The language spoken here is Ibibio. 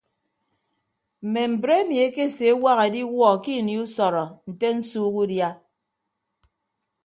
Mme mbre emi ekeseewak ediwuọ ke ini usọrọ nte nsuuk udia.